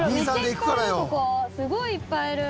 すごいいっぱいいる。